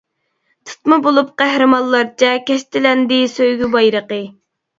تىتما بولۇپ قەھرىمانلارچە، كەشتىلەندى سۆيگۈ بايرىقى.